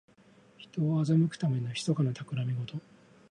人を欺くためのひそかなたくらみごと。